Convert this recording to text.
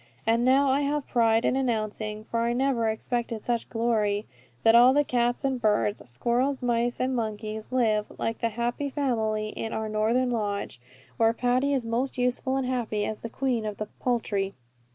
And now I have pride in announcing, for I never expected such glory, that all the cats and birds, squirrels, mice, and monkeys, live, like the happy family, in our northern lodge, where Patty is most useful and happy as the Queen of the poultry.